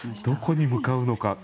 どこに向かうのか。